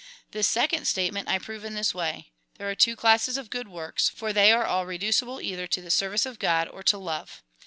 This second statement I prove in this way : There are two classes of good works ; for they are all reducible either to the service of God or to love.